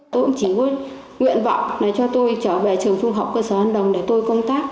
tôi cũng chỉ có nguyện vọng cho tôi trở về trường trung học cơ sở an đồng để tôi công tác